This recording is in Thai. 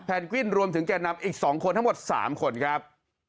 กวินรวมถึงแก่นำอีก๒คนทั้งหมด๓คนครับ